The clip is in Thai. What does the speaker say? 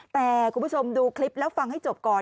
แต่คุณผู้ชมดูคลิปแล้วฟังให้จบก่อน